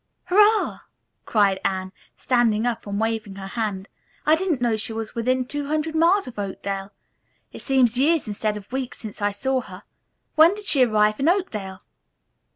"Hurrah!" cried Anne, standing up and waving her hand. "I didn't know she was within two hundred miles of Oakdale. It seems years instead of weeks since I saw her. When did she arrive in Oakdale?"